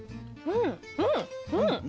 うんうん！